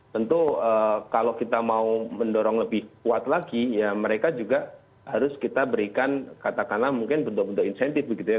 tentu kalau kita mau mendorong lebih kuat lagi ya mereka juga harus kita berikan katakanlah mungkin bentuk bentuk insentif begitu ya